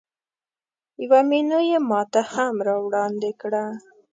یوه مینو یې ماته هم راوړاندې کړه.